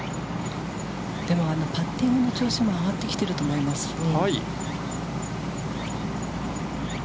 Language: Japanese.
でもパッティングの調子も上がってきていると思いますね。